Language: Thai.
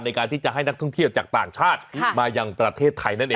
ในการที่จะให้นักท่องเที่ยวจากต่างชาติมายังประเทศไทยนั่นเอง